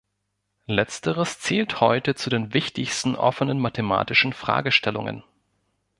Letzteres zählt heute zu den wichtigsten offenen mathematischen Fragestellungen.